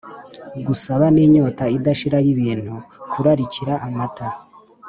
gusaba n’inyota idashira y’ibintu. kurarikira, amata